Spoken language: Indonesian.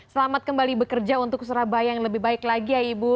selamat kembali bekerja untuk surabaya yang lebih baik lagi ya ibu